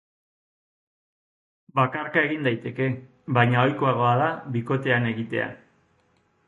Bakarka egin daiteke, baina ohikoagoa da bikotean egitea.